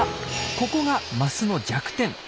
ここがマスの弱点。